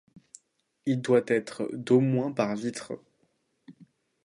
Il doit être d'au moins par litre.